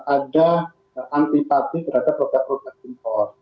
ada antipati terhadap produk produk impor